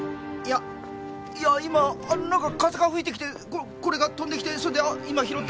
いや今なんか風が吹いてきてこれが飛んできてそれで今拾ったんです。